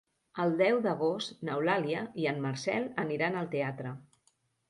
El deu d'agost n'Eulàlia i en Marcel aniran al teatre.